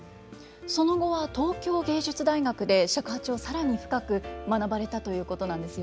その後は東京藝術大学で尺八を更に深く学ばれたということなんですよね。